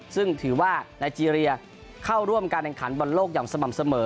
ซึ่งถือว่าไนเจรียเข้าร่วมการแข่งขันบอลโลกอย่างสม่ำเสมอ